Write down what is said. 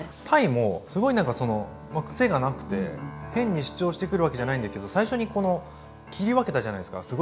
たいもすごいなんか癖がなくて変に主張してくるわけじゃないんだけど最初にこの切り分けたじゃないですか。